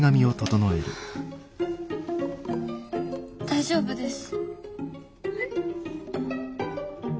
大丈夫です。